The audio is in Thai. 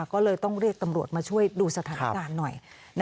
ก็เลยต้องเรียกตำรวจมาช่วยดูสถานการณ์หน่อย